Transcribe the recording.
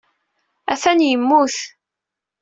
Atan yemmut.